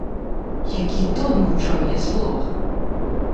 Які тон гучаў у яе словах!